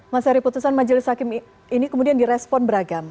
mas heri putusan majelis hakim ini kemudian direspon beragam